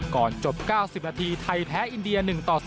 ก่อนจบ๙๐นาทีไทยแพ้อินเดีย๑ต่อ๐